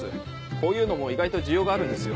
こういうのも意外と需要があるんですよ。